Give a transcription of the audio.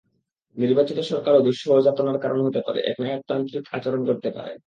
নির্বাচিত সরকারও দুঃসহ যাতনার কারণ হতে পারে, একনায়কতান্ত্রিক আচরণ করতে পারে।